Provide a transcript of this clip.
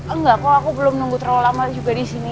enggak kok aku belum nunggu terlalu lama juga disini